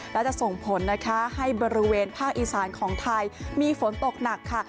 และจะส่งผลนะคะให้บริเวณภาคอีสานของไทยมีฝนตกหนักค่ะ